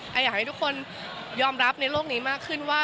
อยากให้ทุกคนยอมรับในโลกนี้มากขึ้นว่า